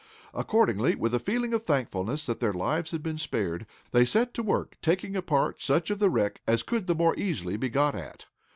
Accordingly, with a feeling of thankfulness that their lives had been spared, they set to work taking apart such of the wreck as could the more easily be got at.